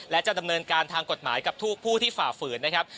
และจะดำเนินการทางกฎหมายกับทุกผู้ที่ฝ่าฝืนนะครับ